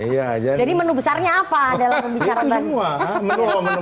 jadi menu besarnya apa dalam pembicaraan